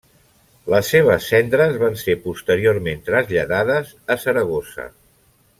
Les seves cendres van ser posteriorment traslladades a Saragossa.